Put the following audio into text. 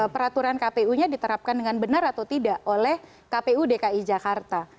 peraturan kpu nya diterapkan dengan benar atau tidak oleh kpu dki jakarta